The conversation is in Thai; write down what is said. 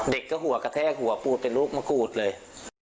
เด็กก็หัวกระแทกหัวปูดเป็นลูกมะกรูดเลย